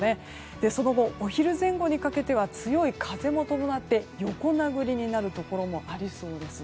その後、お昼前後にかけては強い風も伴って横殴りになるところもありそうです。